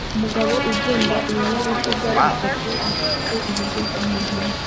Umugabo ugenda ibinyabiziga bitatu bifite ibiziga hejuru